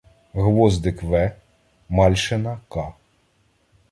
Гвоздик В., Мальшина К.